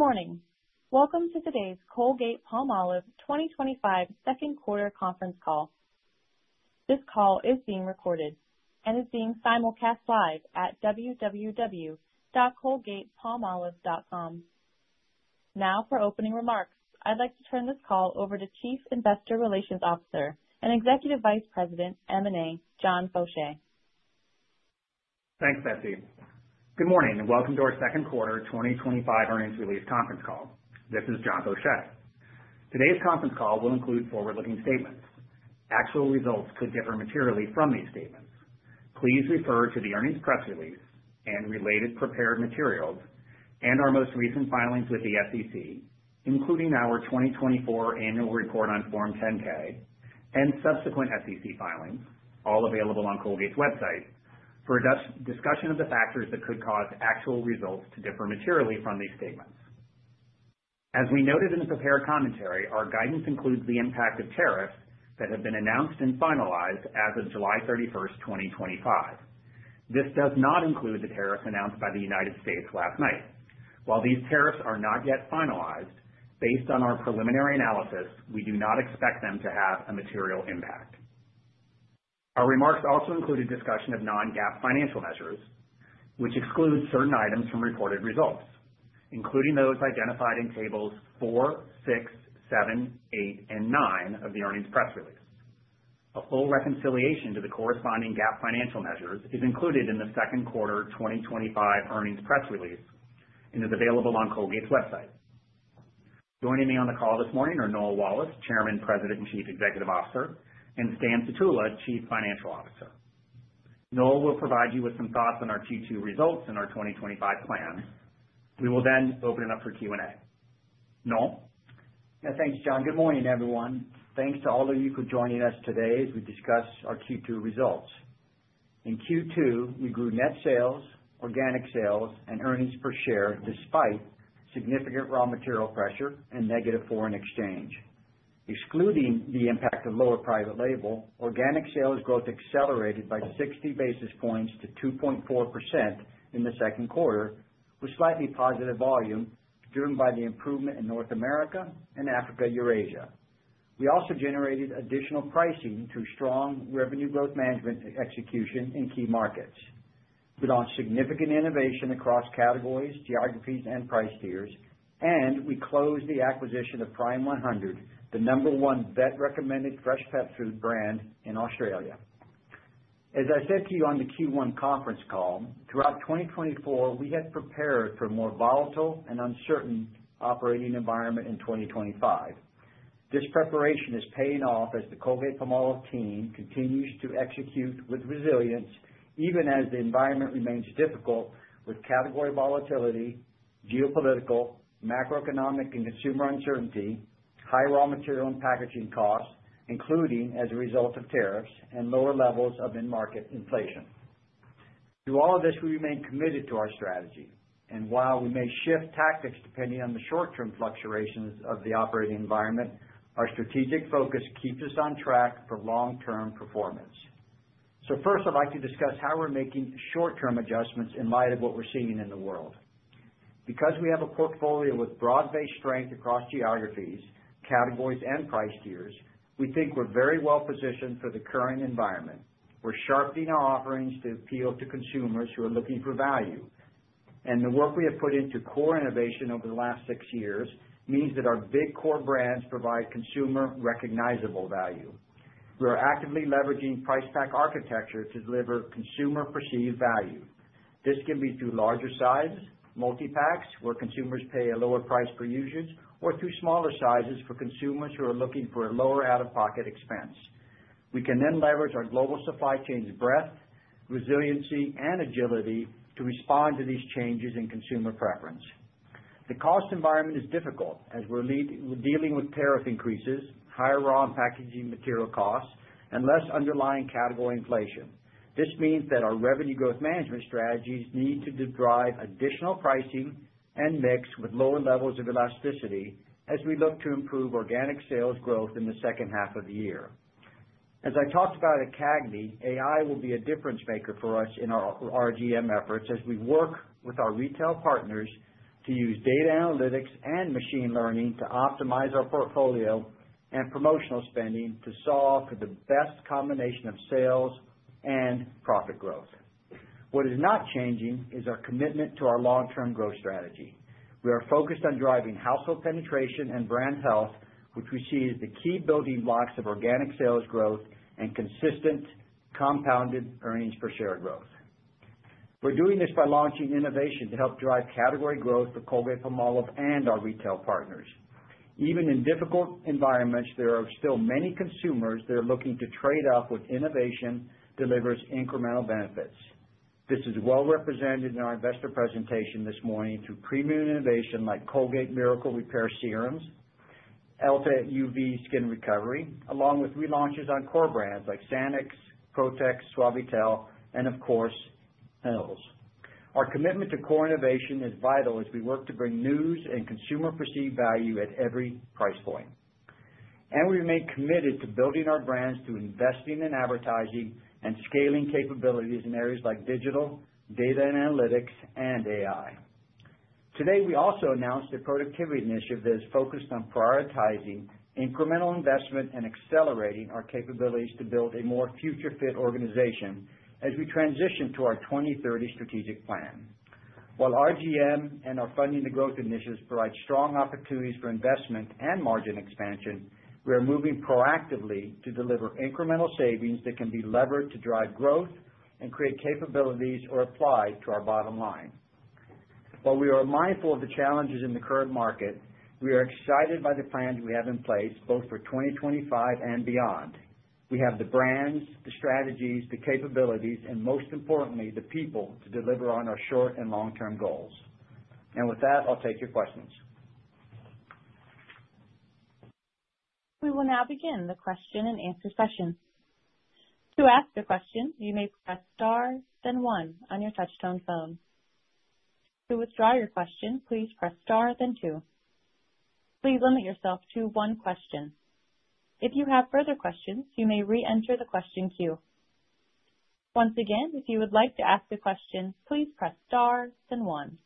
Good morning. Welcome to today's Colgate-Palmolive 2025 second quarter conference call. This call is being recorded and is being simulcast live at www.colgatepalmolive.com. Now for opening remarks, I'd like to turn this call over to Chief Investor Relations Officer and Executive Vice President M&A, John Faucher. Thanks, Betsy. Good morning and welcome to our second quarter 2025 earnings release conference call. This is John Faucher. Today's conference call will include forward-looking statements. Actual results could differ materially from these statements. Please refer to the earnings press release and related prepared materials and our most recent filings with the SEC, including our 2024 Annual Report on Form 10-K and subsequent SEC filings, all available on Colgate-Palmolive Company's website for a discussion of the factors that could cause actual results to differ materially from these statements. As we noted in the prepared commentary, our guidance includes the impact of tariffs that have been announced and finalized as of July 31st, 2025. This does not include the tariffs announced by the United States last night. While these tariffs are not yet finalized, based on our preliminary analysis, we do not expect them to have a material impact. Our remarks also include a discussion of non-GAAP financial measures which exclude certain items from reported results, including those identified in Tables four, six, seven, eight, and nine of the earnings press release. A full reconciliation to the corresponding GAAP financial measures is included in the second quarter 2025 earnings press release and is available on Colgate's website. Joining me on the call this morning are Noel Wallace, Chairman, President, and Chief Executive Officer, and Stan Sutula, Chief Financial Officer. Noel will provide you with some thoughts on our Q2 results and our 2025 plan. We will then open it up for Q&A. Noel. Thanks, John. Good morning, everyone. Thanks to all of you for joining us today as we discuss our Q2 results. In Q2, we grew net sales, organic sales, and earnings per share despite significant raw material pressure and negative foreign exchange. Excluding the impact of lower private label, organic sales growth accelerated by 60 basis points to 2.4% in the second quarter with slightly positive volume driven by the improvement in North America and Africa/Eurasia. We also generated additional pricing through strong revenue growth management execution in key markets. We launched significant innovation across categories, geographies, and price tiers. We closed the acquisition of Prime100, the number one vet-recommended fresh pet food brand in Australia. As I said to you on the Q1 conference call, throughout 2024, we had prepared for a more volatile and uncertain operating environment in 2025. This preparation is paying off. As the Colgate-Palmolive team continues to execute with resilience, even as the environment remains difficult with category volatility, geopolitical, macroeconomic and consumer uncertainty, high raw material and packaging costs including as a result of tariffs and lower levels of end market inflation, through all of this we remain committed to our strategy. While we may shift tactics depending on the short term fluctuations of the operating environment, our strategic focus keeps us on track for long term performance. First, I'd like to discuss how we're making short term adjustments in light of what we're seeing in the world. Because we have a portfolio with broad-based strength across geographies, categories and price tiers, we think we're very well positioned for the current environment. We're sharpening our offerings to appeal to consumers who are looking for value, and the work we have put into core innovation over the last six years means that our big core brands provide consumer recognizable value. We are actively leveraging price-pack architecture to deliver consumer perceived value. This can be through larger size multipacks where consumers pay a lower price per usage or through smaller sizes for consumers who are looking for a lower out of pocket expense. We can then leverage our global supply chain's breadth, resiliency and agility to respond to these changes in consumer preference. The cost environment is difficult, and as we're dealing with tariff increases, higher raw and packaging material costs and less underlying category inflation, this means that our revenue growth management strategies need to drive additional pricing and mix with lower levels of elasticity as we look to improve organic sales growth in the second half of the year. As I talked about at CAGNY, AI will be a difference maker for us in our RGM efforts as we work with our retail partners to use data analytics and machine learning to optimize our portfolio and promotional spending to solve for the best combination of sales and profit growth. What is not changing is our commitment to our long term growth strategy. We are focused on driving household penetration and brand health, which we see as the key building blocks of organic sales growth and consistent compounded EPS growth. We're doing this by launching innovation to help drive category growth for Colgate, Palmolive and our retail partners. Even in difficult environments, there are still many consumers that are looking to trade off when innovation delivers incremental benefits. This is well represented in our investor presentation this morning through premium innovation like Colgate Miracle Repair Serums, Elta UV Skin Recovery, along with relaunches on core brands like Sanex, Protex, Suavitel, and of course, Pentals. Our commitment to core innovation is vital as we work to bring news and consumer-perceived value at every price point, and we remain committed to building our brands through investing in advertising and scaling capabilities in areas like digital data and analytics and AI analytics. Today, we also announced a productivity initiative that is focused on prioritizing incremental investment and accelerating our capabilities to build a more future-fit organization as we transition to our 2030 strategic plan. While RGM and our funding to growth initiatives provide strong opportunities for investment and margin expansion, we are moving proactively to deliver incremental savings that can be leveraged to drive growth and create capabilities or applied to our bottom line. While we are mindful of the challenges in the current market, we are excited by the plans we have in place both for 2025 and beyond. We have the brands, the strategies, the capabilities, and most importantly, the people to deliver on our short and long-term goals. I'll take your questions. We will now begin the question and answer session. To ask a question, you may press star then one on your touchtone phone. To withdraw your question, please press star then two. Please limit yourself to one question. If you have further questions, you may re-enter the question queue. Once again, if you would like to ask a question, please press star then one.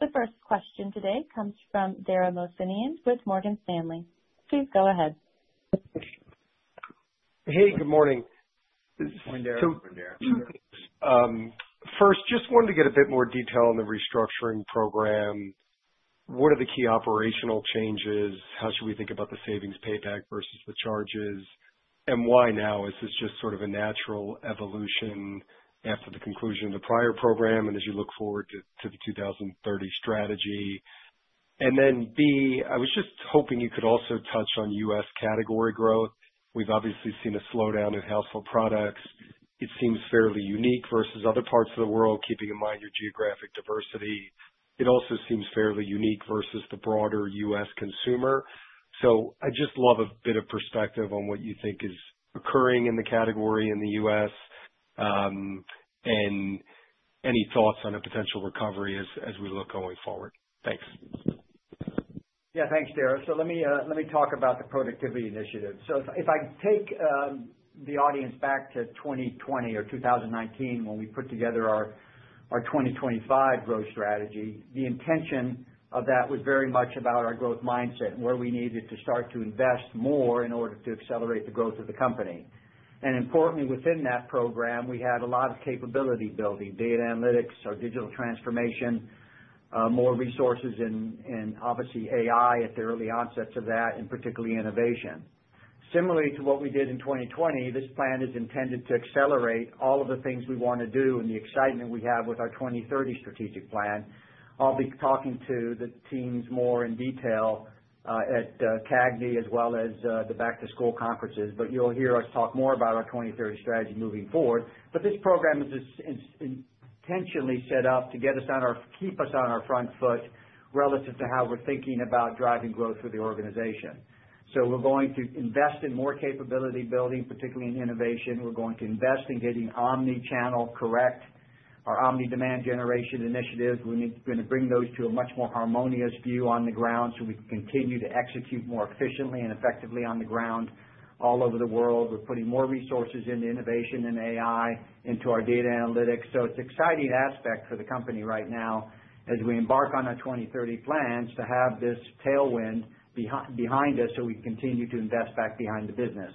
The first question today comes from Dara Mohsenian with Morgan Stanley. Please go ahead. Hey, good morning. First, just wanted to get a bit more detail on the restructuring program. What are the key operational changes? How should we think about the savings payback versus the charges? Why now, is this just sort of a natural evolution after the conclusion of the prior program? As you look forward to the 2030 strategy, I was just hoping you could also touch on U.S. category growth. We've obviously seen a slowdown in household products. It seems fairly unique versus other parts of the world. Keeping in mind your geographic diversity, it also seems fairly unique versus the broader U.S. consumer. I'd just love a bit of perspective on what you think is occurring in the category in the U.S. And any thoughts on a potential recovery as we look going forward? Yeah, thanks Dara. Let me talk about the productivity initiative. If I take the audience back to 2020 or 2019 when we put together our 2025 growth strategy, the intention of that was very much about our growth mindset where we needed to start to invest more in order to accelerate the growth of the company. Importantly, within that program we had a lot of capability building, data analytics, digital transformation, more resources, and obviously AI at the early onsets of that, and particularly innovation. Similarly to what we did in 2020, this plan is intended to accelerate all of the things we want to do and the excitement we have with our 2030 strategic plan. I'll be talking to the teams more in detail at CAGNY as well as the back to school conferences, but you'll hear us talk more about our 2030 strategy moving forward. This program is intentionally set up to keep us on our front foot relative to how we're thinking about driving growth for the organization. We're going to invest in more capability building, particularly in innovation. We're going to invest in getting omnichannel correct, our omnidemand generation initiatives, and we're going to bring those to a much more harmonious view on the ground so we can continue to execute more efficiently and effectively on the ground all over the world. We're putting more resources into innovation and AI into our data analytics. It's an exciting aspect for the company right now as we embark on our 2030 plans to have this tailwind behind us so we continue to invest back behind the business.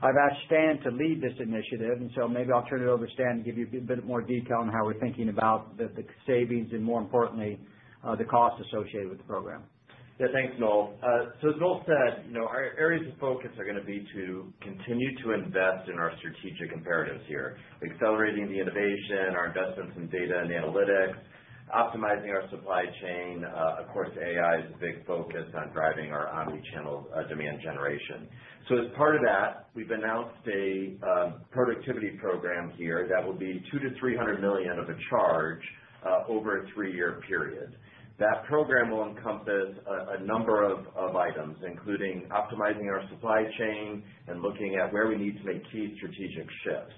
I've asked Stan to lead this initiative, so maybe I'll turn it over to Stan to give you a bit more detail on how we're thinking about the savings and more importantly the costs associated with the program. Thanks, Noel. As Noel said, our areas of. Focus are going to be to continue to invest in our strategic imperatives here, accelerating the innovation, our investments in data and analytics, optimizing our supply chain. Of course, AI is a big focus on driving our omnichannel demand generation. As part of that, we've announced a productivity program here that will be $200 million to $300 million of a charge over a three-year period. That program will encompass a number of items including optimizing our supply chain and looking at where we need to make key strategic shifts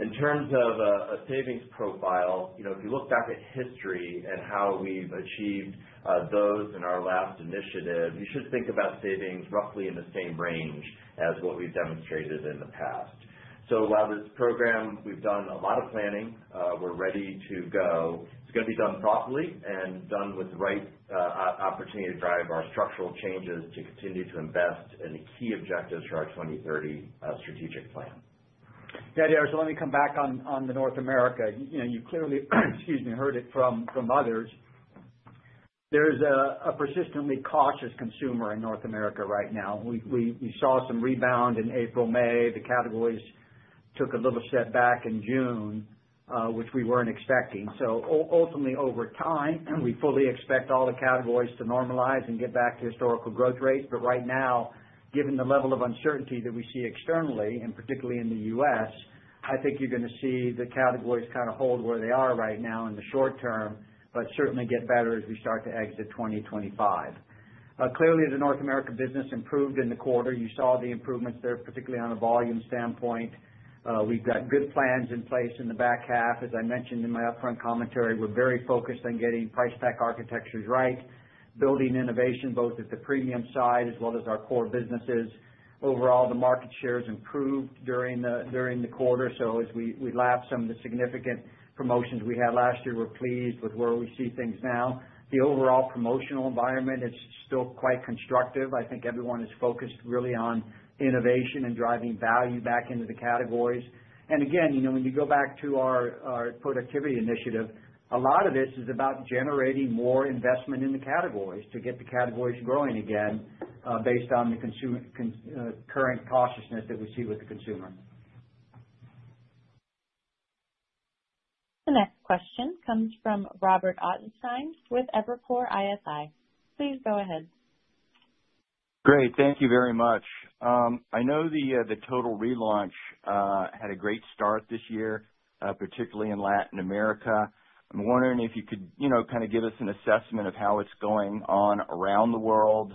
in terms of a savings profile. If you look back at history and how we've achieved those in our last initiative, you should think about savings roughly in the same range as what we've demonstrated in the past. While this program, we've done a lot of planning, we're ready to go, it's going to be done properly and done with the right opportunity to drive our structural changes to continue to invest in the key objectives for our 2030 strategic plan now. Dara, let me come back on the North America. You clearly heard it from others. There's a persistently cautious consumer in North America right now. We saw some rebound in April, May, the categories took a little step back in June, which we weren't expecting. Ultimately, over time, we fully expect all the categories to normalize and get back to historical growth rates. Right now, given the level of uncertainty that we see externally and particularly in the U.S., I think you're going to see the categories kind of hold where they are right now in the short term, but certainly get better as we start to exit 2025. Clearly, the North America business improved in the quarter. You saw the improvements there, particularly on a volume standpoint. We've got good plans in place in the back half. As I mentioned in my upfront commentary, we're very focused on getting price-pack architectures right, building innovation, both at the premium side as well as our core businesses. Overall, the market share has improved during the quarter. As we lap some of the significant promotions we had last year, we're pleased with where we see things now. The overall promotional environment is still quite constructive. I think everyone is focused really on innovation and driving value back into the categories. When you go back to our productivity initiative, a lot of this is about generating more investment in the categories to get the categories growing again, based on the current cautiousness that we see with the consumer. The next question comes from Robert Ottenstein with Evercore ISI. Please go ahead. Great. Thank you very much. I know the Total relaunch had a great start this year, particularly in Latin America. I'm wondering if you could kind of give us an assessment of how it's going on around the world,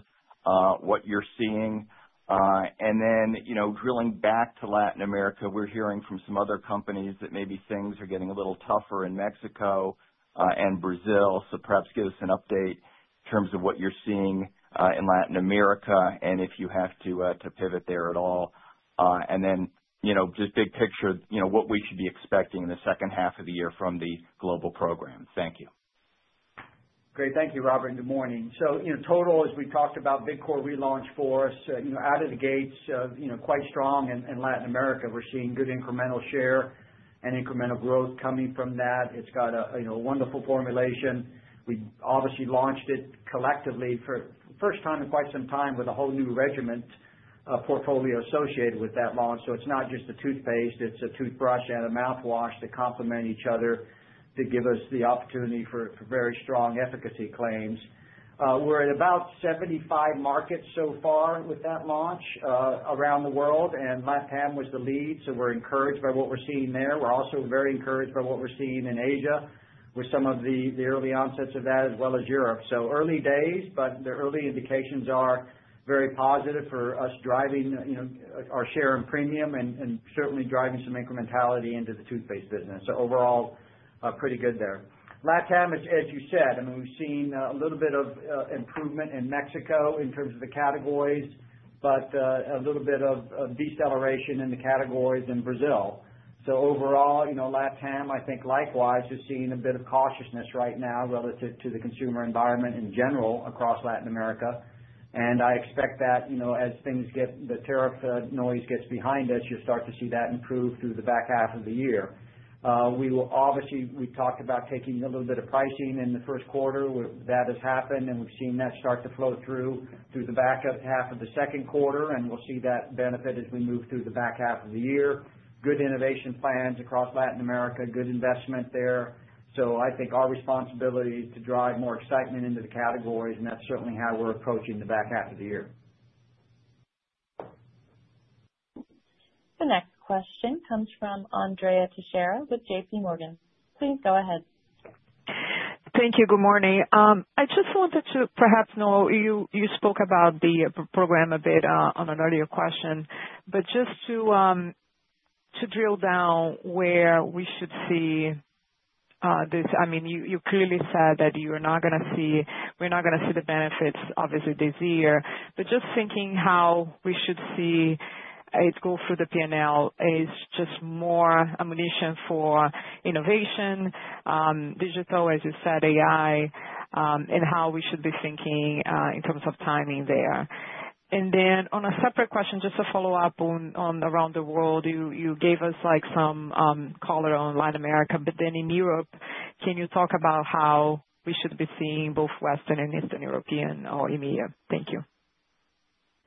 what you're seeing, and then drilling back to Latin America. We're hearing from some other companies that maybe things are getting a little tougher. In Mexico and Brazil. Perhaps give us an update in. terms of what you're seeing in Latin America and if you have to pivot there at all, just big picture, what we. Should be expecting in the second half. Of the year from the global program. Thank you. Great. Thank you, Robert, and good morning. Total, as we talked about, big core relaunch for us out of the gates, quite strong in Latin America. We're seeing good incremental share and incremental growth coming from that. It's got a wonderful formulation. We obviously launched it collectively for the first time in quite some time with a whole new regiment portfolio associated with that launch. It's not just a toothpaste, it's a toothbrush and a mouthwash to complement each other to give us the opportunity for very strong efficacy claims. We're at about 75 markets so far with that launch around the world and Latin America was the lead. We're encouraged by what we're seeing there. We're also very encouraged by what we're seeing in Asia with some of the early onsets of that as well as Europe. Early days, but the early indications are very positive for us, driving our share in premium and certainly driving some incrementality into the toothpaste business. Overall pretty good there. LATAM, as you said, we've seen a little bit of improvement in Mexico in terms of the categories, but a little bit of deceleration in the categories in Brazil. Overall, LATAM, I think likewise is seeing a bit of cautiousness right now relative to the consumer environment in general across Latin America. I expect that as things get, the tariff noise gets behind us, you start to see that improve through the back half of the year. We obviously talked about taking a little bit of pricing in the first quarter. That has happened and we've seen that start to flow through the back half of the second quarter and we'll see that benefit as we move through the back half of the year. Good innovation plans across Latin America, good investment there. I think our responsibility is to drive more excitement into the categories and that's certainly how we're approaching the back half of the year. The next question comes from Andrea Faria Teixeira with JPMorgan Chase & Co. Please go ahead. Thank you. Good morning. I just wanted to perhaps know you spoke about the program a bit on an earlier question. To drill down where we. Should see this. I mean, you clearly said that you are not going to see, we're not going to see the benefits obviously this year. Just thinking how we should see it go through the P&L is just more ammunition for innovation, digital, as said, AI, and how we should be thinking in terms of timing there. On a separate question, just. A follow-up around the world, you. Gave us some color on Latin America, but in Europe can you talk about how we should be seeing both Western and Eastern Europe or EMEA? Thank you.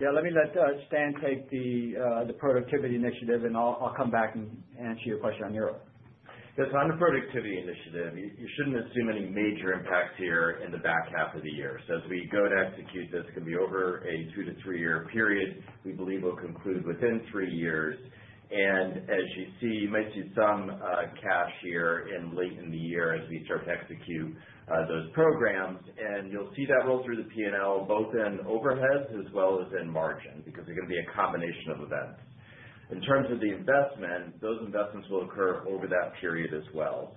Let Stan take the productivity initiative and I'll come back and answer your question. On Europe, yes, on the productivity initiative, you shouldn't assume any major impacts here in the back half of the year. As we go to execute, this can be over a two to three year period. We believe it will conclude within three years. You might see some cash here late in the year as we start to execute those programs, and you'll see that roll through the P&L both in overheads as well as in margin because they're going to be a combination of events in terms of the investment. Those investments will occur over that period as well.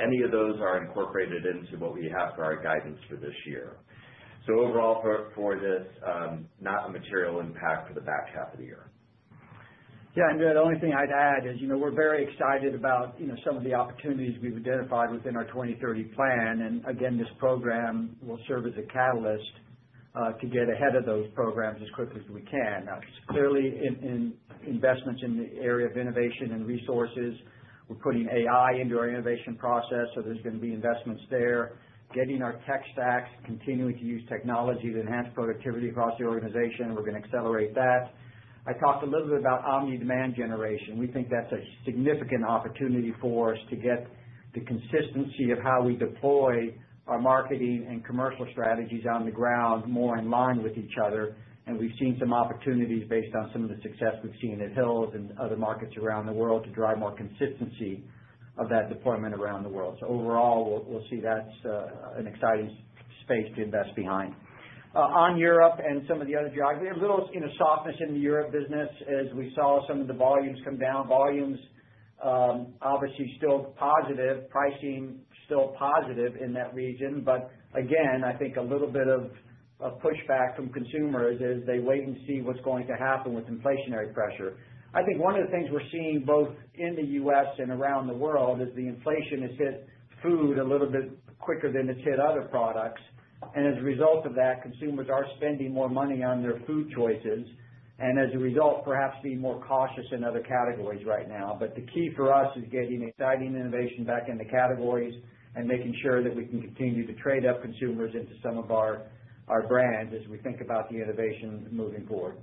Any of those are incorporated into what we have for our guidance for this year. Overall for this, not a material impact for the back half of the year. The only thing I'd add is we're very excited about some of the opportunities we've identified within our 2030 plan. This program will serve as a catalyst to get ahead of those programs as quickly as we can. It's clearly investments in the area of innovation and resources. We're putting AI into our innovation process, so there's going to be investments there, getting our tech stacks, continuing to use technology to enhance productivity across the organization. We're going to accelerate that. I talked a little bit about omnidemand generation. We think that's a significant opportunity for us to get the consistency of how we deploy our marketing and commercial strategies on the ground more in line with each other. We've seen some opportunities based on some of the success we've seen at Hill's and other markets around the world to drive more consistency of that deployment around the world. Overall, we'll see that's an exciting space to invest behind on Europe and some of the other geographies. A little softness in the Europe business as we saw some of the volumes come down. Volumes obviously still positive, pricing still positive in that region. I think a little bit of pushback from consumers as they wait and see what's going to happen with inflationary pressure. One of the things we're seeing both in the U.S. and around the world is the inflation has hit food a little bit quicker than it's hit other products. As a result of that, consumers are spending more money on their food choices and as a result, perhaps be more cautious in other categories right now. The key for us is getting exciting innovation back in the categories and making sure that we can continue to trade up consumers into some of our brands as we think about the innovation moving forward.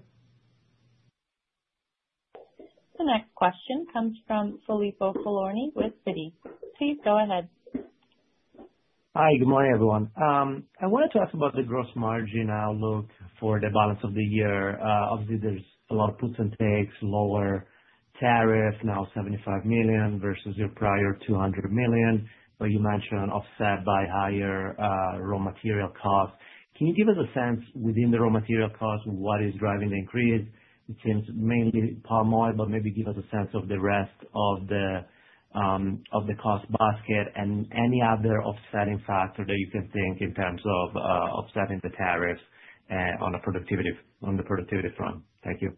The next question comes from Filippo Falorni with Citi. Please go ahead. Hi, good morning, everyone. I wanted to ask about the gross margin outlook for the balance of the year. Obviously there's a lot of puts and takes, lower tariff now $75 million versus your prior $200 million, but you mentioned offset by higher raw material costs. Can you give us a sense within the raw material cost, what is driving the increase? It seems mainly paramount, but maybe give us a sense of the rest of the cost basket and any other offsetting factor that you can think in terms of offsetting the tariffs on the productivity front. Thank you.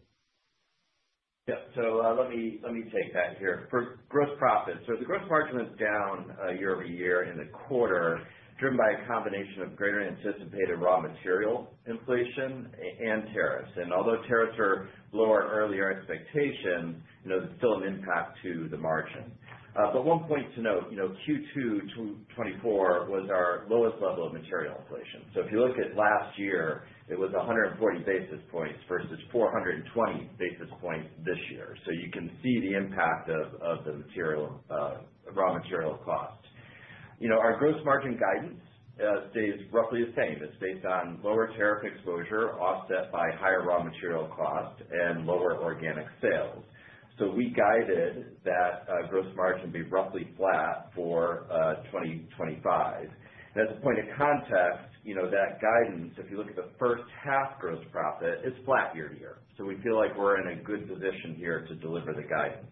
Yes. Let me take that here for gross profit. The gross margin was down year-over-year in the quarter, driven by a combination of greater anticipated raw material inflation and tariffs. Although tariffs are lower than earlier expectations, there's still an impact to the margin. One point to note, Q2 2020 was our lowest level of material inflation. If you look at last year, it was 140 basis points versus 420 basis points this year. You can see the impact of the raw material cost. Our gross margin guidance stays roughly the same. It's based on lower tariff exposure offset by higher raw material cost and lower organic sales. We guided that gross margin be roughly flat for 2025. As a point of context, that guidance, if you look at the first half, gross profit is flat year-to-year. We feel like we're in a good position here to deliver the guidance.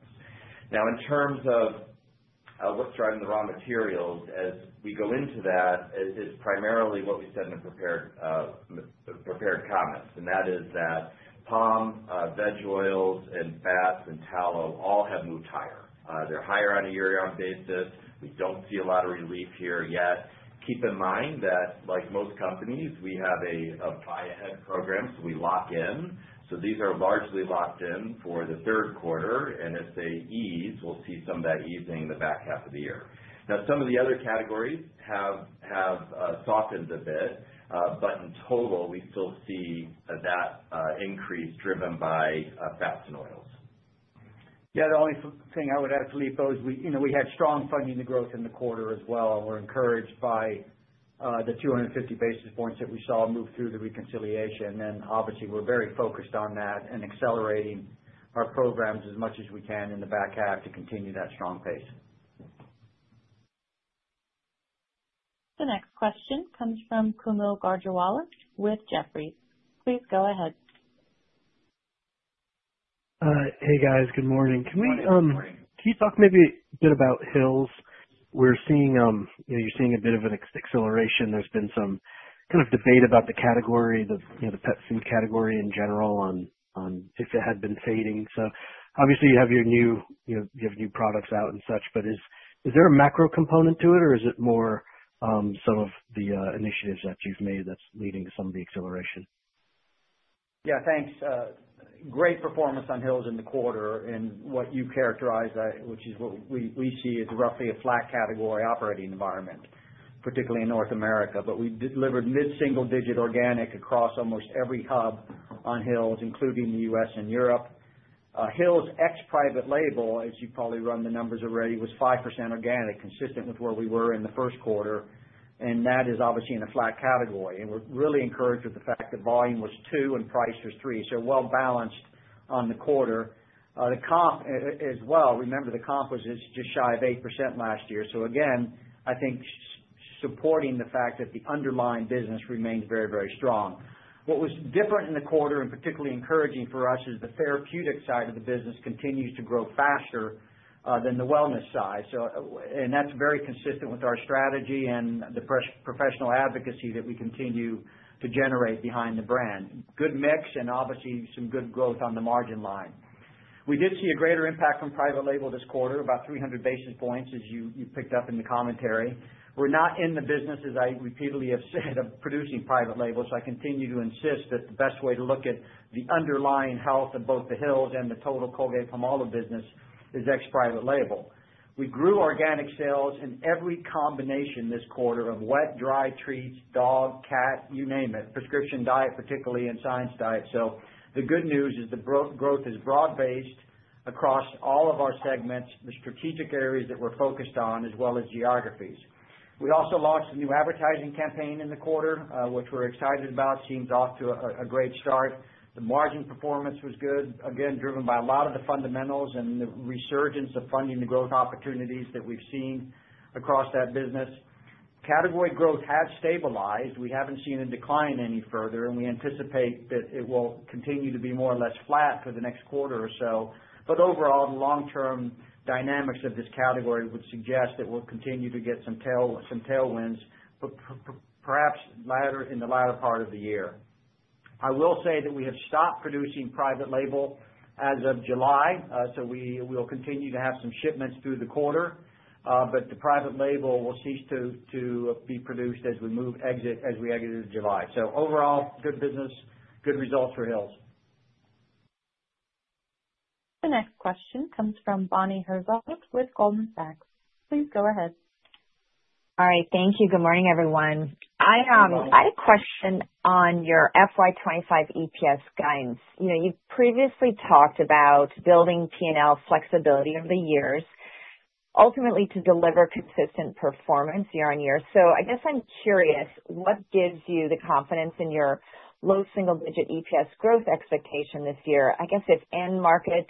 In terms of what's driving the raw materials as we go into that, it is primarily what we said in the prepared comments, and that is that palm, veg oils and fats, and tallow all have moved higher. They're higher on a year-round basis. We don't see a lot of relief here yet. Keep in mind that like most companies, we have a buy ahead program, so we lock in. These are largely locked in for the third quarter, and if they ease, we'll see some of that easing in the back half of the year. Some of the other categories have softened a bit, but in total we still see that increase driven by fats and oils. Yes. The only thing I would add, Filippo, is we had strong funding growth in the quarter as well. We are encouraged by the 250 basis points that we saw move through the reconciliation. We are very focused on that and accelerating our programs as much as we can in the back half to continue that strong pace. The next question comes from Kaumil Gajrawala with Jefferies. Please go ahead. Hey guys, good morning. Can you talk maybe a bit about Hill's? You're seeing a bit of an acceleration. There's been some kind of debate about the category, the pet food category in general, on if it had been fading. Obviously you have your new, you have new products out and such, but is there a macro component to it or is it more some of the initiatives that you've made that's leading to some of the acceleration. Yeah, thanks. Great performance on Hill's in the quarter and what you characterize, which is what we see as roughly a flat category operating environment, particularly in North America. We delivered mid single digit organic across almost every hub on Hill's and grand, including the U.S. and Europe. Hill's ex private label, as you probably run the numbers already, was 5% organic, consistent with where we were in the first quarter. That is obviously in a flat category. We're really encouraged with the fact that volume was two and price was three. So well balanced on the quarter, the comp as well. Remember the comp was just shy of 8% last year. Again, I think supporting the fact that the underlying business remains very, very strong. What was different in the quarter and particularly encouraging for us is the therapeutic side of the business continues to grow faster than the wellness side. That's very consistent with our strategy and the professional advocacy that we continue to generate behind the brand. Good mix and obviously some good growth on the margin line. We did see a greater impact from private label this quarter, about 300 basis points. As you picked up in the commentary, we're not in the business, as I repeatedly have said, of producing private label. I continue to insist that the best way to look at the underlying health of both the Hill's and the total Colgate-Palmolive business is ex private label. We grew organic sales in every combination this quarter of wet, dry, treats, dog, cat, you name it, prescription diet, particularly in Science Diet. The good news is the growth is broad based across all of our segments, the strategic areas that we're focused on as well as geographies. We also launched a new advertising campaign in the quarter which we're excited about. Seems off to a great start. The margin performance was good again, driven by a lot of the fundamentals and the resurgence of funding. The growth opportunities that we've seen across that business, category growth has stabilized. We haven't seen a decline any further, and we anticipate that it will continue to be more or less flat for the next quarter or so. Overall, the long-term dynamics of this category would suggest that we'll continue to get some tailwinds, perhaps in the latter part of the year. I will say that we have stopped producing private label as of July. We will continue to have some shipments through the quarter, but the private label will cease to be produced as we exit. Overall, good business, good results for Hill's. The next question comes from Bonnie Herzog with Goldman Sachs. Please go ahead. All right, thank you. Good morning everyone. I had a question on your FY 2025 EPS guidance. You previously talked about building P&L flexibility over the years ultimately to deliver consistent performance year-on-year. I guess I'm curious, what gives you the confidence in your low single digit EPS growth expectation this year? If end market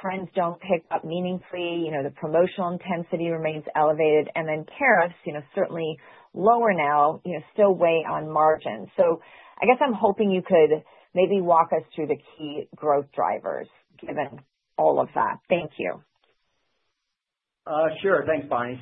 trends don't pick up meaningfully, the promotional intensity remains elevated and then tariffs, certainly lower now, still weigh on margin. I guess I'm hoping you could maybe walk us through the key growth drivers given all of that. Thank you. Sure. Thanks, Bonnie.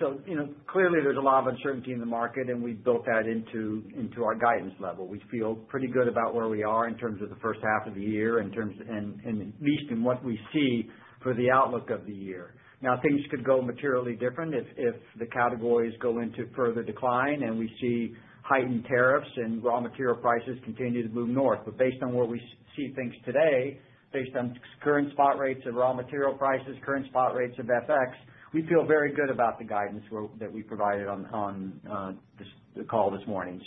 Clearly there's a lot of uncertainty in the market and we built that into our guidance level, which we feel pretty good about where we are in terms of the first half of the year, at least in what we see for the outlook of the year. Things could go materially different if the categories go into further decline and we see heightened tariffs and raw material prices continue to move north. Based on where we see things today, based on current spot rates of raw material prices and current spot rates of FX, we feel very good about the guidance that we provided on the call this morning.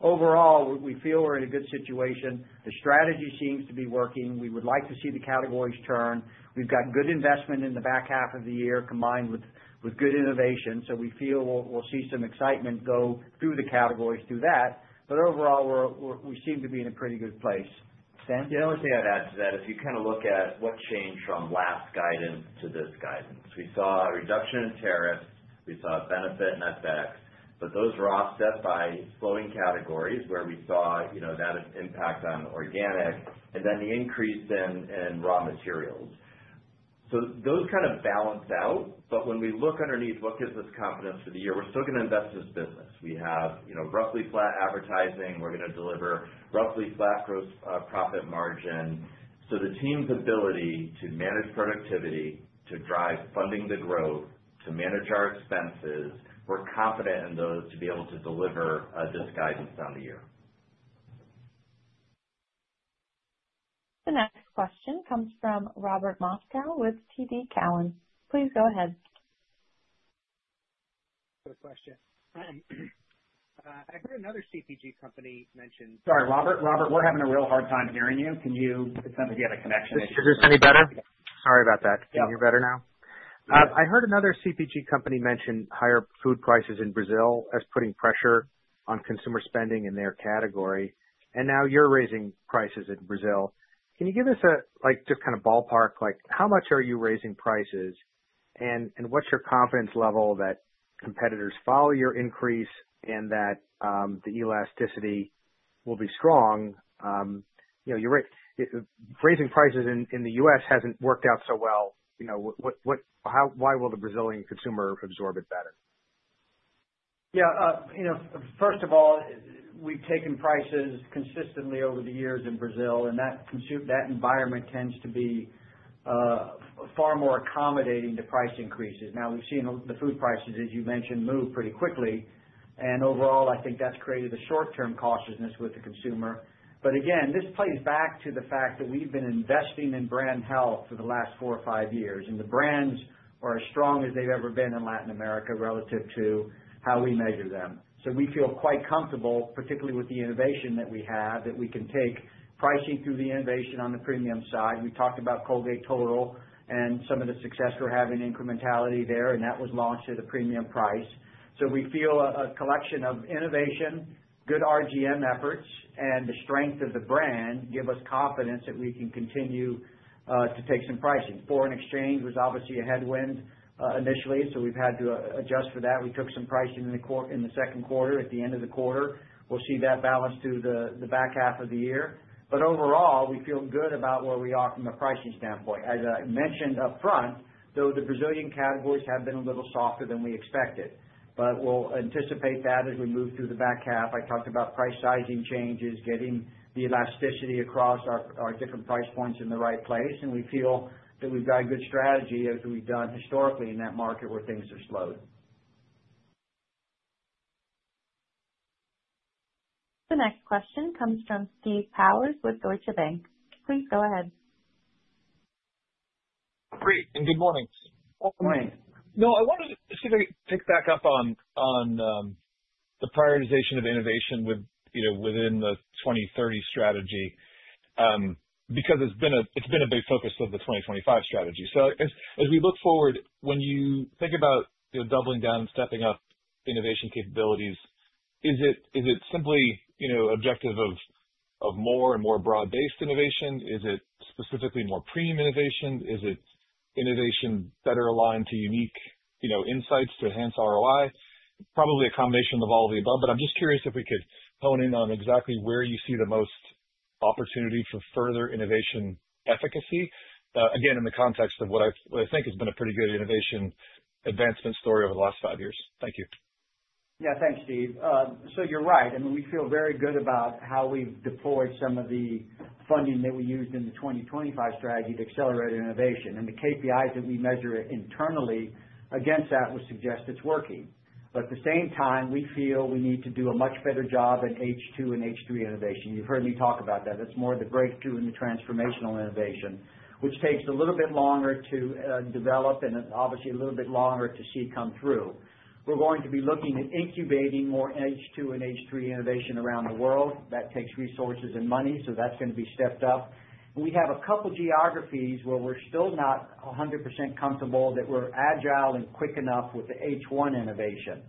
Overall, we feel we're in a good situation. The strategy seems to be working. We would like to see the categories turn. We've got good investment in the back half of the year combined with good innovation. We feel we'll see some excitement go through the categories through that. Overall, we seem to be in a pretty good place. Stan. The only thing I'd add. If you kind of look at what changed from last guidance to this guidance, we saw a reduction in tariffs, we saw a benefit in FX, but those were offset by slowing categories where we saw that impact on organic and then the increase in raw materials. Those kind of balance out. When we look underneath, what gives us confidence for the year, we're still going to invest this business. We have roughly flat advertising, we're going to deliver roughly flat gross profit margin. The team's ability to manage productivity, to drive funding to growth, to manage our expenses, we're confident in those to be able to deliver this guidance on the year. The next question comes from Robert Bain Moskow with Cowen. Please go ahead. Good question. I heard another CPG company. Sorry, Robert. Robert, we're having a real hard time hearing you. Can you have a connection? Is this any better? Sorry about that. Can you hear better now? I heard another CPG company mention higher food prices in Brazil as putting pressure on consumer spending in their category and now you're raising prices in Brazil. Can you give us just kind of ballpark, like how much are you raising prices and what's your confidence level that competitors follow your increase and that the elasticity will be strong? You're right. Raising prices in the U.S. hasn't worked out so well. Why will the Brazilian consumer absorb it better? First of all, we've taken prices consistently over the years in Brazil and that environment tends to be far more accommodating to price increases. Now we've seen the food prices, as you mentioned, move pretty quickly and overall I think that's created the short-term cautiousness with the consumer. Again, this plays back to the fact that we've been investing in brand health for the last four or five years and the brands are as strong as they've ever been in Latin America relative to how we measure them. We feel quite comfortable, particularly with the innovation that we have, that we can take pricing through the innovation. On the premium side, we talked about Colgate Total and some of the success we're having incrementality there and that was launched at a premium price. We feel a collection of innovation, good RGM efforts, and the strength of the brand give us confidence that we can continue to take some pricing. Foreign exchange was obviously a headwind initially, so we've had to adjust for that. We took some pricing in the second quarter, at the end of the quarter, and we'll see that balance through the back half of the year. Overall, we feel good about where we are from a pricing standpoint. As I mentioned upfront, the Brazilian categories have been a little softer than we expected. We will anticipate that as we move through the back half. I talked about price sizing changes, getting the elasticity across our different price points in the right place, and we feel that we've got a good strategy as we've done historically in that market where things are slowed. The next question comes from Steve Powers with Deutsche Bank. Please go ahead. Great. Good morning. I wanted to pick back up on the prioritization of innovation within the 2030 strategy because it's been a big focus of the 2025 strategy. As we look forward, when you think about doubling down and stepping up innovation capabilities, is it simply an objective of more and more broad-based innovation? Is it specifically more premium innovation? Is it innovation better aligned to unique insights to enhance ROI? Probably a combination of all of the above. I'm just curious if we could hone in on exactly where you see the most opportunity for further innovation efficacy. Again, in the context of what I think has been a pretty good innovation advancement story over the last five years. Thank you. Yeah, thanks, Steve. You're right. We feel very good about how we've deployed some of the funding that we used in the 2025 strategy to accelerate innovation, and the KPIs that we measure internally against that would suggest it's working. At the same time, we feel we need to do a much better job in H2 and H3 innovation. You've heard me talk about that. It's more the breakthrough and the transformational innovation, which takes a little bit longer to develop and obviously a little bit longer to see come through. We're going to be looking at incubating more H2 and H3 innovation around the world. That takes resources and money, so that's going to be stepped up. We have a couple of geographies where we're still not 100% comfortable that we're agile and quick enough with the H1 innovation.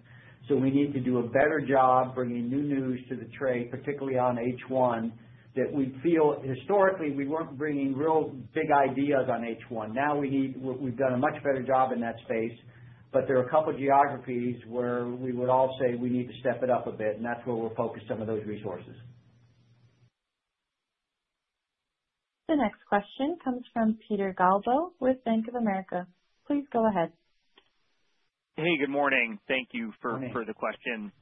We need to do a better job bringing new news to the trade, particularly on H1, that we feel historically we weren't bringing real big ideas on H1. Now we've done a much better job in that space, but there are a couple of geographies where we would all say we need to step it up a bit, and that's where we'll focus some of those resources. The next question comes from Peter Galbo with Bank of America. Please go ahead. Hey, good morning. Thank you for the question,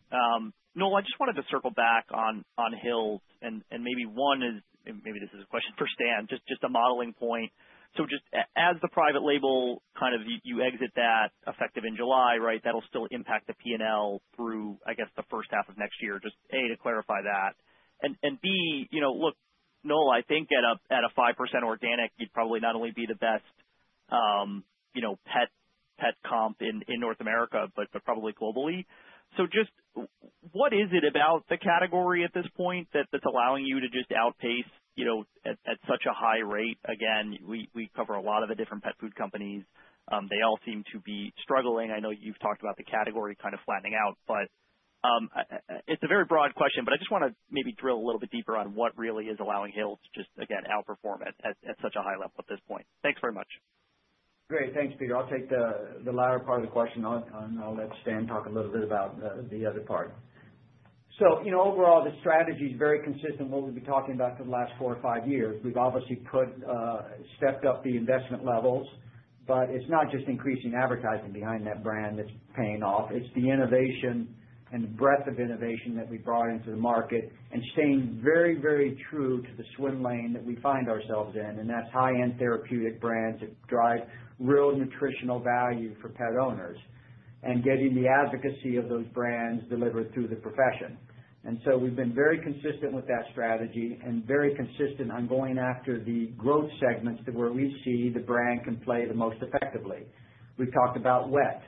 Noel. I just wanted to circle back on Hill's and maybe one is. Maybe this is a question for Stan, just a modeling point. Just as the private label, you exit that effective in July, right? That will still impact the P&L through, I guess, the first half of next year. Just A, to clarify that and B, you know, look, Noel, I think at a 5% organic, you'd probably not only be the best pet comp in North America, but probably globally. Just what is it about the category at this point that's allowing you to outpace at such a high rate? We cover a lot of the different pet food companies. They all seem to be struggling. I know you've talked about the category kind of flattening out, but it's a very broad question. I just want to maybe drill a little bit deeper on what really is allowing Hill's to outperform at such a high level at this point. Thanks very much. Great, thanks, Peter. I'll take the latter part of the question and I'll let Stan talk a little bit about the other part. Overall, the strategy is very consistent with what we've been talking about for the last four or five years. We've obviously stepped up the investment levels, but it's not just increasing advertising behind that brand that's paying off. It's the innovation and the breadth of innovation that we brought into the market and staying very, very true to the swim lane that we find ourselves in. That's high-end therapeutic brands that drive real nutritional value for pet owners and getting the advocacy of those brands delivered through the profession. We've been very consistent with that strategy and very consistent on going after the growth segments where we see the brand can play the most effectively. We've talked about wet,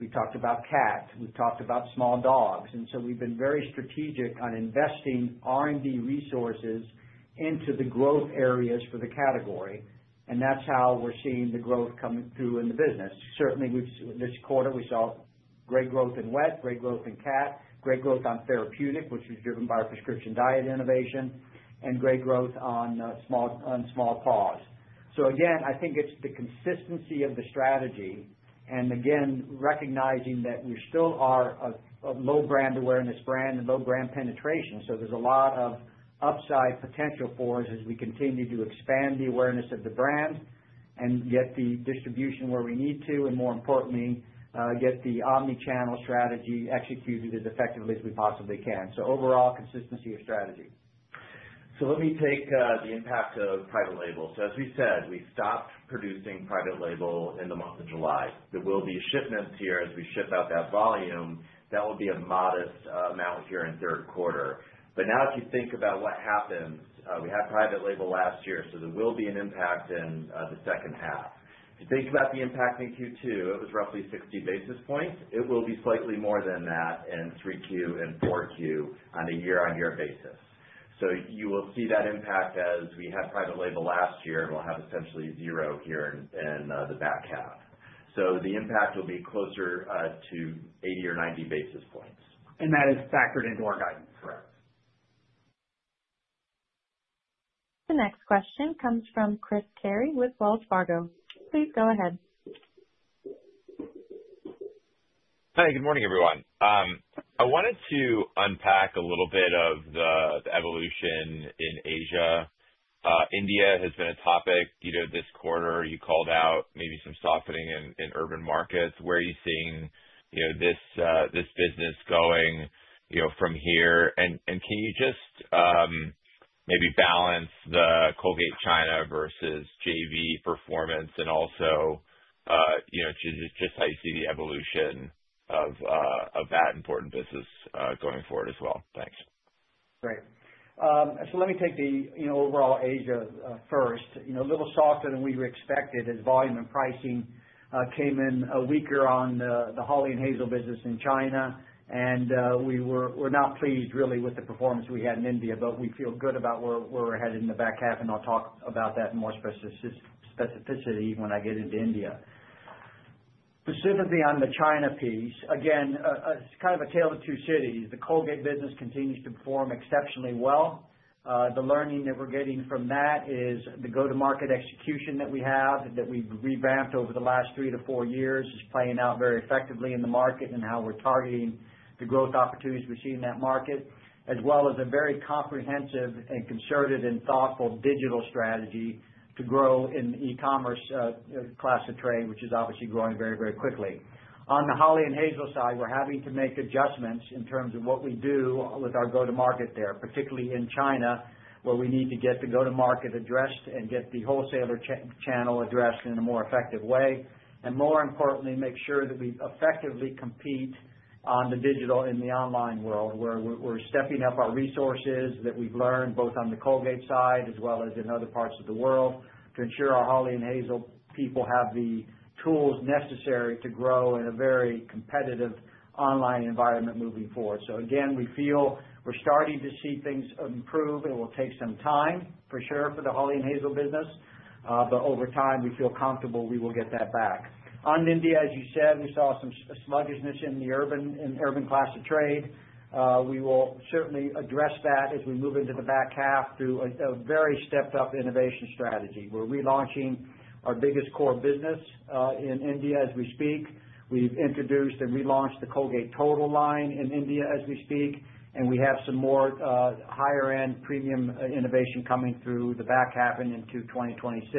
we've talked about cats, we've talked about small dogs. We've been very strategic on investing R&D resources into the growth areas for the category and that's how we're seeing the growth coming through in the business. Certainly, this quarter we saw great growth in wet, great growth in cat, great growth on therapeutic, which was driven by our prescription diet innovation, and great growth on small paws. I think it's the consistency of the strategy and recognizing that we still are a low brand awareness brand and low brand penetration. There's a lot of upside potential for us as we continue to expand the awareness of the brand and get the distribution where we need to and, more importantly, get the omnichannel strategy executed as effectively as we possibly can. Overall, consistency of strategy. Let me take the impact of private label. As we said, we stopped producing private label in the month of July. There will be shipments here as we ship out that volume. That will be a modest amount here in the third quarter. If you think about what happens, we had private label last year, so there will be an impact in the second half. If you think about the impact Q2, it was roughly 60 basis points. It will be slightly more than that in Q3 and Q4 on a year-on-year basis. You will see that impact as we had private label last year and we'll have essentially zero here in the back half. The impact will be closer to 80 or 90 basis points. That is factored into our guidance. Correct. The next question comes from Carey with Wells Fargo. Please go ahead. Hi, good morning everyone. I wanted to unpack a little bit of the evolution in Asia. India has been a topic this quarter. You called out maybe some softening in urban markets. Where are you seeing this business going from here? Can you just maybe balance the Colgate China vs JV performance and also just how you see the evolution of that important business going forward as well? Thanks. Great. Let me take the overall Asia first. A little softer than we expected as volume and pricing came in weaker on the Hawley and Hazel business in China, and we're not pleased really with the performance we had in India. We feel good about where we're headed in the back half, and I'll talk about that in more specificity when I get into India. Specifically on the China piece, again, a kind of a tale of two cities. The Colgate business continues to perform exceptionally well. The learning that we're getting from that is the go-to-market execution that we have, that we've revamped over the last three to four years, is playing out very effectively in the market and how we're targeting the growth opportunities we see in that market, as well as a very comprehensive and concerted and thoughtful digital strategy to grow in e-commerce class of trade, which is obviously growing very, very quickly. On the Hawley and Hazel side, we're having to make adjustments in terms of what we do with our go-to-market there, particularly in China where we need to get the go-to-market addressed and get the wholesaler channel addressed in a more effective way, and more importantly, make sure that we effectively compete on the digital in the online world where we're stepping up our resources that we've learned both on the Colgate side as well as in other parts of the world to ensure our Hawley and Hazel people have the tools necessary to grow in a very competitive online environment moving forward. We feel we're starting to see things improve. It will take some time for sure for the Hawley and Hazel business, but over time we feel comfortable we will get that back. On India, as you said, we saw some sluggishness in the urban and urban class of trade. We will certainly address that as we move into the back half through a very stepped-up innovation strategy. We're relaunching our biggest core business in India as we speak. We've introduced and relaunched the Colgate Total line in India as we speak, and we have some more higher-end premium innovation coming through the back half and into 2026.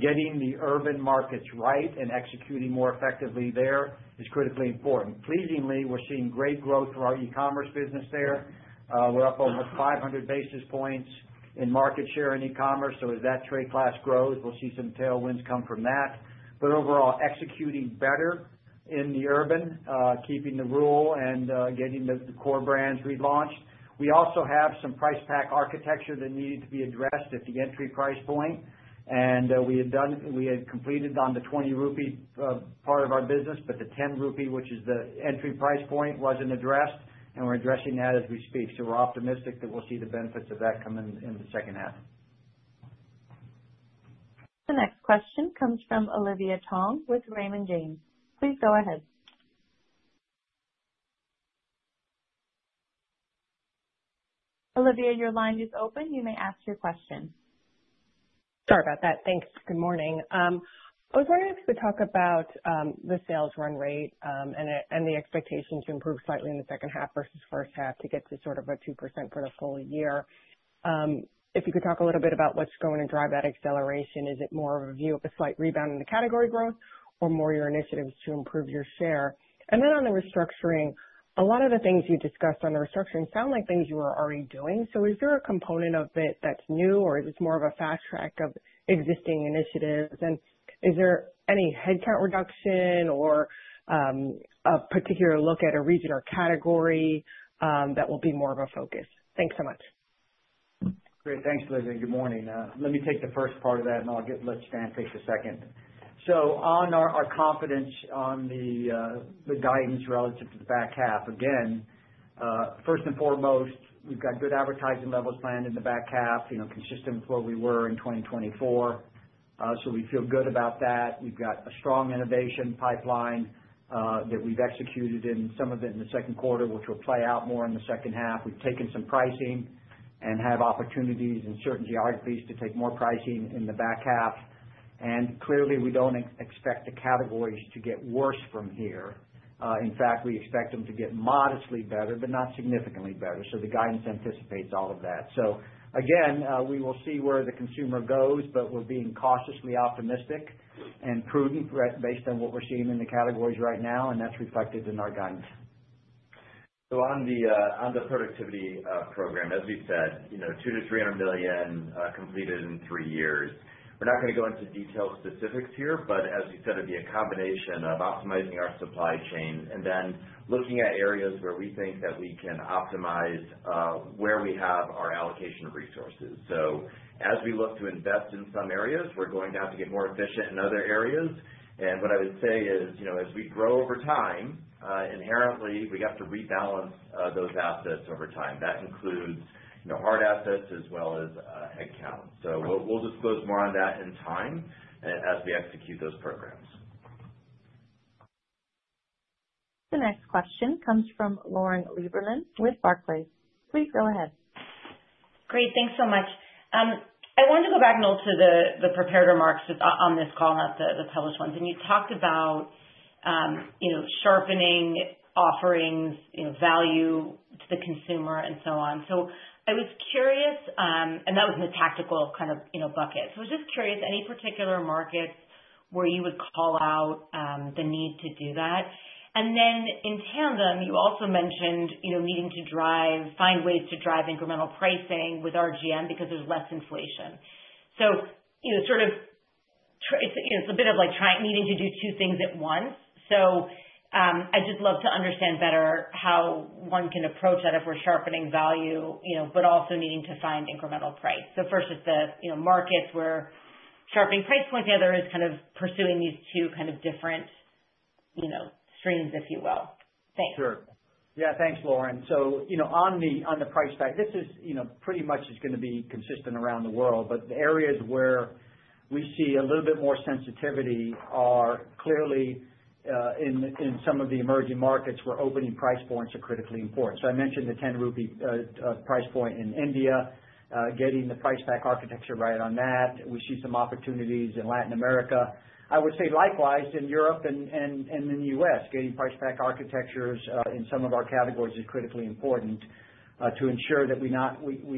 Getting the urban markets right and executing more effectively there is critically important. Pleasingly, we're seeing great growth for our economy business there. We're up almost 500 basis points in market share in e-commerce. As that trade class grows. We will see some tailwinds come from that, but overall executing better in the urban, keeping the rural and getting the core brands relaunched. We also have some price-pack architecture that needed to be addressed at the entry price point, and we had completed on the 20 rupee part of our business. The 10 rupee, which is the entry price point, was not addressed and we are addressing that as we speak. We are optimistic that we will see the benefits of that come in the second half. The next question comes from Olivia Tong with Raymond James. Please go ahead. Olivia, your line is open, you may ask your question. Sorry about that. Thanks. Good morning. I was wondering if you could talk about the sales run rate and the expectation to improve slightly in the second half versus first half to get to sort of a 2% for the full year. If you could talk a little bit about what's going to drive that acceleration. Is it more of a view of what’s going to drive that a slight rebound in the category growth. Are more your initiatives to improve your share? On the restructuring, a lot of the things you discussed on the restructuring sound like things you were already doing. Is there a component of it that's new or is this more of a fast track of existing initiatives? Is there any headcount reduction or a particular look at a region or category that will be more of a focus? Thanks so much. Thanks, Olivia, and good morning. Let me take the first part of that and I'll let Stan take a second. On our confidence on the guidance relative to the back half, first and foremost we've got good advertising levels planned in the back half consumer systems where we were in 2024. We feel good about that. We've got a strong innovation pipeline that we've executed in some of it in the second quarter, which will play out more in the second half. We've taken some pricing and have opportunities in certain geographies to take more pricing in the back half. We don't expect the categories to get worse from here. In fact, we expect them to get modestly better but not significantly better. The guidance anticipates all of that. We will see where the consumer goes. We're being cautiously optimistic and prudent based on what we're seeing in the categories right now. That's reflected in our guidance. On the productivity program, as we said, $200 million to $300 million completed in three years. We're not going to go into detailed specifics here, but as you said, it would be a combination of optimization of our supply chain and then looking at areas where we think that we can optimize where we have our allocation of resources. As we look to invest in some areas, we're going to have to get more efficient in other areas. What I would say is as we grow over time, inherently we have to rebalance those assets over time. That includes hard assets as well as headcount. We'll disclose more on that in time as we execute those programs. The next question comes from Lauren Lieberman with Barclays. Please go ahead. Great, thanks so much. I wanted to go back, Noel, to the prepared remarks on this call, not the published ones. You talked about sharpening offerings, value to the consumer and so on. I was curious, and that was in the tactical kind of bucket. I was just curious any particular markets where you would call out the need to do that? In tandem, you also mentioned needing to find ways to drive incremental pricing with RGM because there's less inflation. It's a bit of. Like needing to do two things at once. I'd just love to understand better how one can approach that if we're sharpening value, but also needing to find incremental price. First, it's the markets where sharpening price point together is kind of pursuing these two different streams, if you will. Thanks. Sure. Yeah. Thanks, Lauren. On the price tag, this is pretty much going to be consistent around the world. The areas where we see a little bit more sensitivity are clearly in some of the emerging markets where opening price points are critically important. I mentioned the 10 rupee price point in India. Getting the price-pack architecture right on that, we see some opportunities in Latin America, likewise in Europe and in the U.S. Getting price-pack architectures in some of our categories is critically important to ensure that we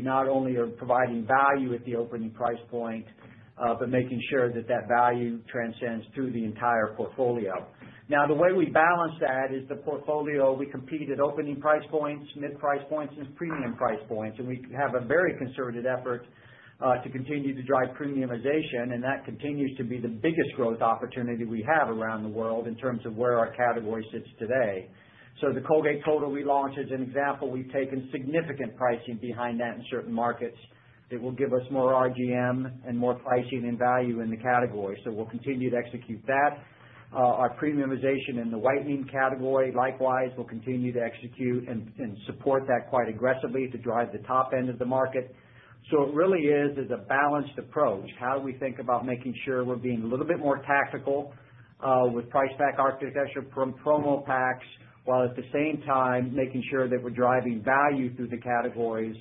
not only are providing value at the opening price point, but making sure that value transcends through the entire portfolio. The way we balance that is the portfolio, we compete at opening price points, mid price points, and premium price points. We have a very concerted effort to continue to drive premiumization, and that continues to be the biggest growth opportunity we have around the world in terms of where our category sits today. The Colgate Total relaunch, as an example, we've taken significant pricing behind that in certain markets. It will give us more RGM and more pricing and value in the category. We'll continue to execute that. Our premiumization in the Whitening category likewise will continue to execute and support that quite aggressively to drive the top end of the market. It really is a balanced approach. How do we think about making sure we're being a little bit more tactical with price-pack architecture, promo packs, while at the same time making sure that we're driving value through the categories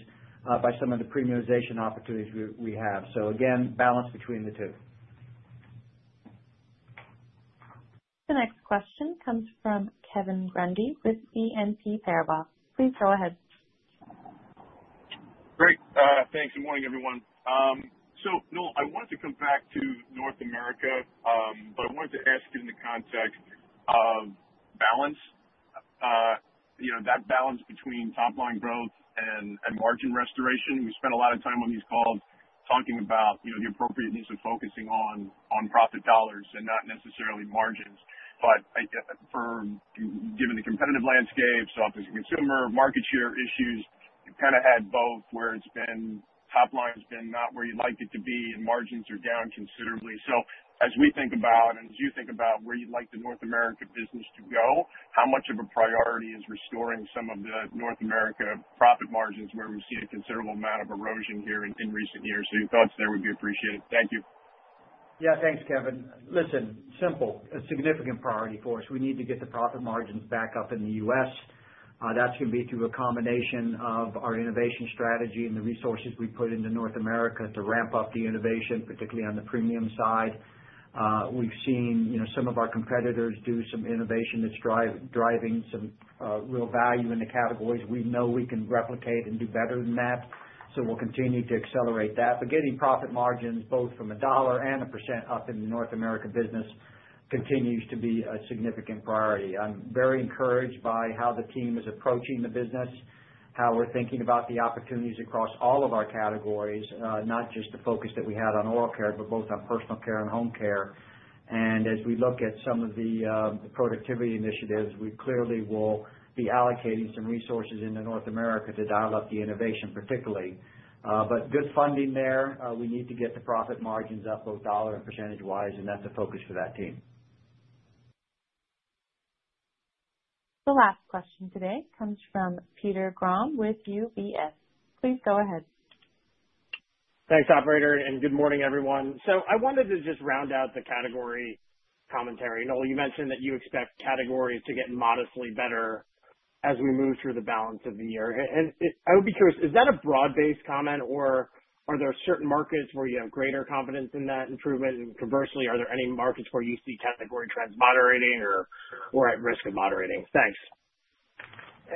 by some of the premiumization opportunities we have. Again, balance between the two. The next question comes from Kevin Grundy with BNP Paribas. Please go ahead. Great, thanks. Good morning everyone. Noel, I wanted to come back to North America, but I wanted to ask you in the context of balance, that balance between top line growth and margin restoration. We spent a lot of time on these calls talking about the appropriateness of focusing on profit dollars and not necessarily margins. Given the competitive landscape, soft as a consumer market share issues, you've kind of had both where it's been, top line has been not where you'd like it to be and margins are down considerably. As we think about and as you think about where you'd like the North America business to go, how much of a priority is restoring some of the North America profit margins where we've seen a considerable amount of erosion here in recent years? Your thoughts there would be appreciated. Thank you. Yes, thanks, Kevin. Listen, simple. A significant priority for us. We need to get the profit margins back up in the U.S. That's going to be through a combination of our innovation strategy and the resources we put into North America to ramp up the innovation, particularly on the premium side. We've seen some of our competitors do some innovation that's driving some real value in the categories. We know we can replicate and do better than that. We'll continue to accelerate that. Getting profit margins both from a dollar and a percent up in the North America business continues to be a significant priority. I'm very encouraged by how the team is approaching the business, how we're thinking about the opportunities across all of our categories, not just the focus that we had on oral care, but both on personal care and home care. As we look at some of the productivity initiatives, we clearly will be allocating some resources into North America to dial up the innovation particularly, but good funding there. We need to get the profit margins up both dollar and percentage wise. That's a focus for that team. The last question today comes from Peter Grom with UBS. Please go ahead. Thanks, operator. Good morning everyone. I wanted to just round out the category commentary. Noel, you mentioned that you expect categories to get modestly better as we move through the balance of the year. I would be curious, is that a broad-based comment or are there certain markets where you have greater confidence in that improvement? Conversely, are there any markets where you see category trends moderating or at risk of moderating? Thanks.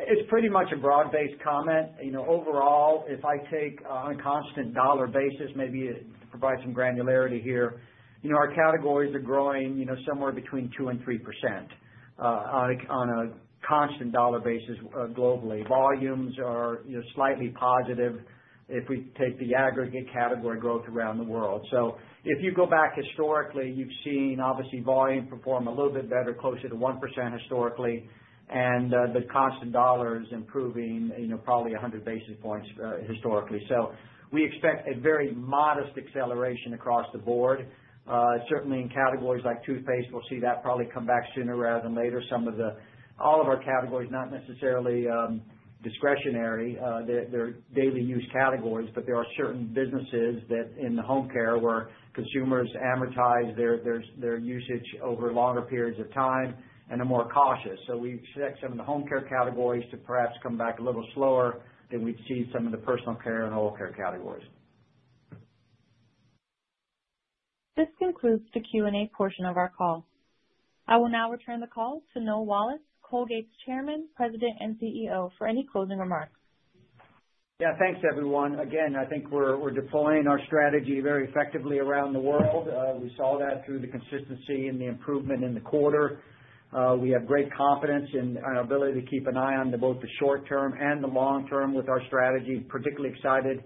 It's pretty much a broad-based comment. Overall, if I take on a constant dollar basis, maybe provide some granularity here. Our categories are growing somewhere between 2% and 3% on a constant dollar basis. Globally, volumes are slightly positive if we take the aggregate category growth around the world. If you go back historically, you've seen obviously volume from a little bit better, closer to 1% historically, and the constant dollars improving probably 100 basis points historically. We expect a very modest acceleration across the board. Certainly in categories like toothpaste, we'll see that probably come back sooner rather than later. All of our categories are not necessarily discretionary, they're daily use categories, but there are certain businesses in the home care where consumers amortize their usage over longer periods of time and are more cautious. We expect some of the home care categories to perhaps come back a little slower than we'd see some of the personal care and oral care categories. This concludes the Q&A portion of our call. I will now return the call to Noel Wallace, Colgate-Palmolive Company's Chairman, President, and CEO, for any closing remarks. Yeah, thanks everyone. I think we're deploying our strategy very effectively around the world. We saw that through the consistency and the improvement in the quarter. We have great confidence in our ability to keep an eye on both the short term and the long term with our strategy. Particularly excited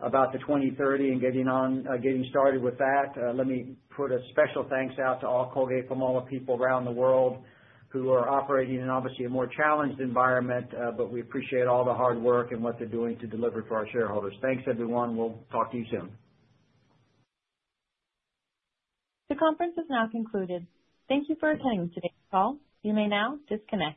about the 2030 and getting started with that. Let me put a special thanks out to all Colgate-Palmolive people around the world who are operating in obviously a more challenged environment. We appreciate all the hard work and what they're doing to deliver for our shareholders. Thanks everyone. We'll talk to you soon. The conference has now concluded. Thank you for attending today's call. You may now disconnect.